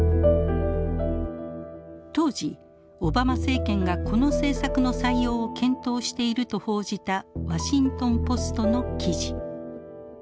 当時オバマ政権がこの政策の採用を検討していると報じたワシントンポストの記事。